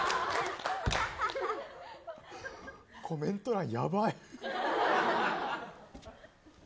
コメント欄やばい。